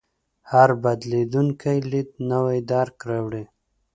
هر بدلېدونکی لید نوی درک راوړي.